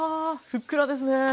ふっくらですね。